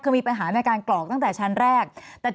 คือมีปัญหาในการกรอกตั้งแต่ชั้นแรก